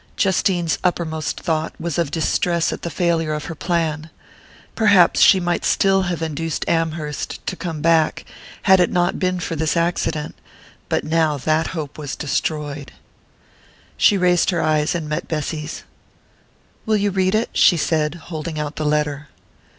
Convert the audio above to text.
Justine's uppermost thought was of distress at the failure of her plan. Perhaps she might still have induced Amherst to come back, had it not been for this accident; but now that hope was destroyed. She raised her eyes and met Bessy's. "Will you read it?" she said, holding out the letter.